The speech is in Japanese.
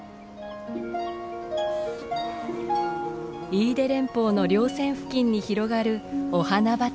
飯豊連峰の稜線付近に広がるお花畑。